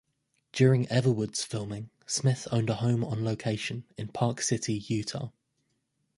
During "Everwood"'s filming, Smith owned a home on location in Park City, Utah.